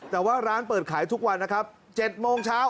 แต่ว่าร้านเปิดขายทุกวันนะครับ๗โมงเช้า